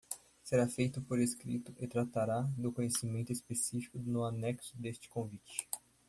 Será feito por escrito e tratará do conhecimento especificado no anexo deste convite.